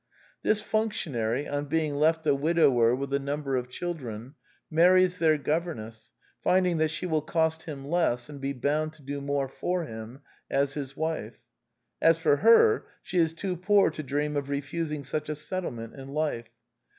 This functionary, on being left a wid ower with a number of children, marries their governess, finding that she will cost him less and be bound to do more for him as his wife. As for her, she is too poor to dream of refusing such a settlement in life.